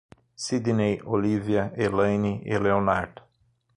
Sidnei, Olívia, Elaine e Leonardo